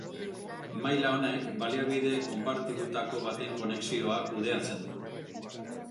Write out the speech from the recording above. Maila honek baliabide konpartitutako baten konexioa kudeatzen du.